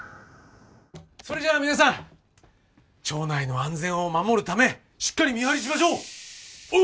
それじゃあ皆さん町内の安全を守るためしっかり見張りしましょう！